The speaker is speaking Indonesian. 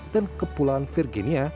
dan kepulauan virginia